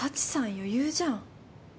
余裕じゃん。